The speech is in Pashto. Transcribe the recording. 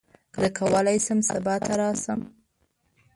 زه کولی شم سبا ته راشم.